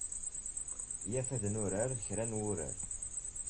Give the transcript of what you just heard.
Yyat ad nurar kra n wurar.